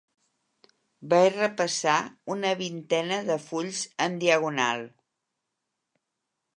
Vaig repassar una vintena de fulls en diagonal.